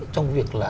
trong việc là